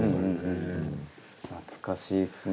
懐かしいっすね。